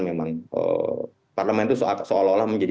memang parlemen itu seolah olah menjadi